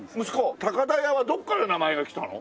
高田屋はどっから名前が来たの？